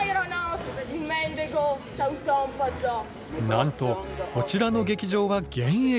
なんとこちらの劇場は現役！